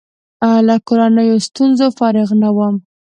له کورنیو ستونزو فارغ نه وم.